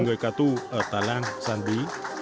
người cà tu ở tà lan giàn bí